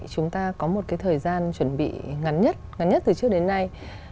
chúng ta có một thời gian chuẩn bị ngắn nhất ngắn nhất từ trước đến nay